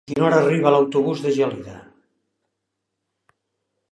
A quina hora arriba l'autobús de Gelida?